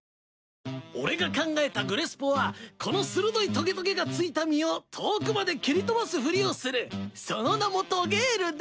俺が考えたグレスポはこの鋭いトゲトゲがついた実を遠くまで蹴り飛ばすふりをするその名も「トゲール」だ！